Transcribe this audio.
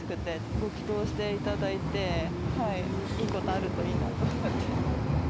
ご祈とうしていただいて、いいことあるといいなと思って。